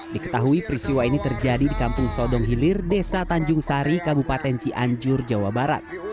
diketahui peristiwa ini terjadi di kampung sodong hilir desa tanjung sari kabupaten cianjur jawa barat